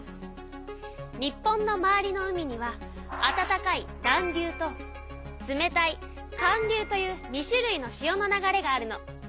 日本の周りの海にはあたたかい暖流と冷たい寒流という２種類の潮の流れがあるの。